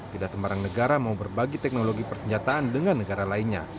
tidak sembarang negara mau berbagi teknologi persenjataan dengan negara lainnya